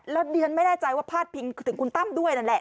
แล้วดิฉันไม่แน่ใจว่าพาดพิงถึงคุณตั้มด้วยนั่นแหละ